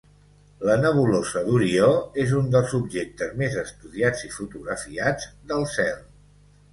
La nebulosa d'Orió és un dels objectes més estudiats i fotografiats del cel.